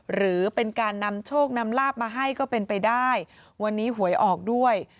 หรือเป็นการนำโชคนำลาบมาให้ก็เป็นไปได้วันนี้หวยออกด้วย